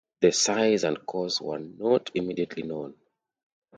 The size and cause were not immediately known.